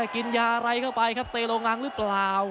กินยาอะไรเข้าไปครับเซโรงังหรือเปล่า